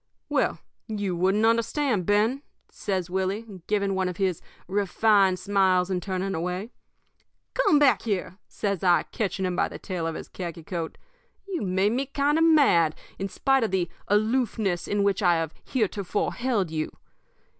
"'Well, you wouldn't understand, Ben,' says Willie, giving one of his refined smiles and turning away. "'Come back here!' says I, catching him by the tail of his khaki coat. 'You've made me kind of mad, in spite of the aloofness in which I have heretofore held you.